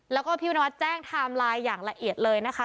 แล้วก็พี่น็อตแจ้งไทม์ไลน์อย่างละเอียดเลยนะคะ